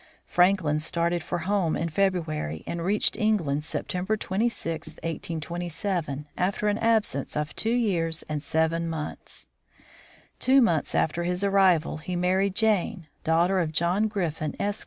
Franklin started for home in February, and reached England September 26, 1827, after an absence of two years and seven months. Two months after his arrival he married Jane, daughter of John Griffin, Esq.